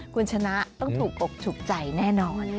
คุณชนะต้องถูกอกถูกใจแน่นอน